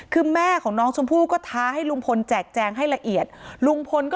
คือแม่ของน้องชมพู่ก็ท้าให้ลุงพลแจกแจงให้ละเอียดลุงพลก็